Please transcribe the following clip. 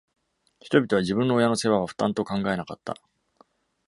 人々は自分の親の世話は負担と考えなかった。